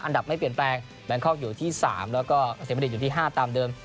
อันดับไม่เปลี่ยนแปลงแบงคอกอยู่ที่๓แล้วก็เกษมณฑิตอยู่ที่๕ตามเดิม